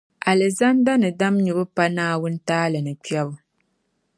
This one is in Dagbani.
Alizandani dam nyubu pa Naawuni taali ni kpɛbu.